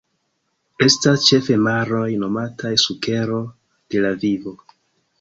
Estas ĉefe maroj nomataj sukero de la vivo.